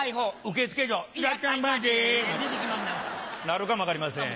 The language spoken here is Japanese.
なるかも分かりません。